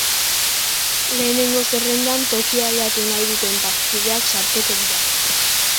Lehenengo zerrendan tokia aldatu nahi duten bazkideak sartuko dira.